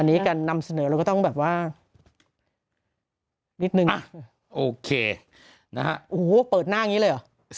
อันนี้การนำเสนอเราก็ต้องแบบว่านิดนึงโอเคนะฮะโอ้โหเปิดหน้าอย่างนี้เลยเหรอ